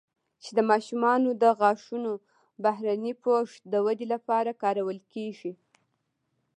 چې د ماشومانو د غاښونو بهرني پوښ د ودې لپاره کارول کېږي